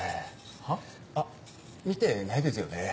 は？あっ見てないですよね。